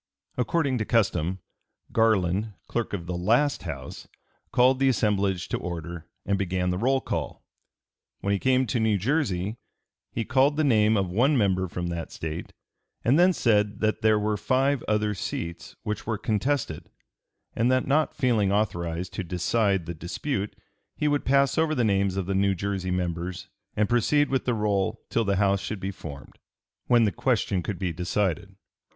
According to custom Garland, clerk of the last House, called the assemblage to order and began the roll call. When he came to New Jersey he called the name of one member from that State, and then said that there were five other seats which were contested, and that not feeling authorized to decide the dispute he would pass over the names of the New Jersey members and proceed with the roll till the House should be formed, when the question could be decided.